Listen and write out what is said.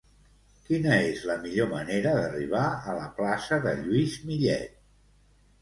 Quina és la millor manera d'arribar a la plaça de Lluís Millet?